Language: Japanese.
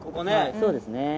そうですね。